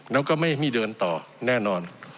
แล้วก็ไม่มีเดินต่อแน่นอน